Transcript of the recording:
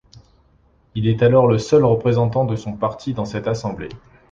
Il est alors le seul représentant de son parti dans cette assemblée.